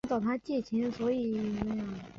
朱家仕率领全家自杀。